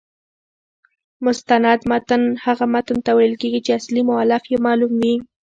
مستند متن هغه متن ته ویل کیږي، چي اصلي مؤلف يې معلوم يي.